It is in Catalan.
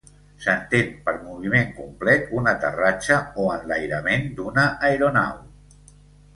S'entén per moviment complet un aterratge o enlairament d'una aeronau.